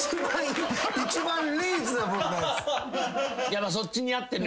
やっぱそっちに合ってるんだ。